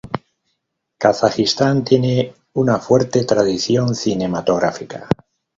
Kazajistán tiene una fuerte tradición cinematográfica.